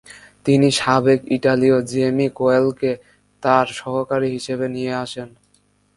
তিনি সাবেক ইটালীয় জেমি কয়েলকে তার সহকারী হিসেবে নিয়ে আসেন।